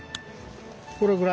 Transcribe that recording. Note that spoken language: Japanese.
これぐらい。